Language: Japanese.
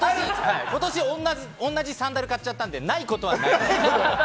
今年同じサンダル買っちゃったんでないことはないです。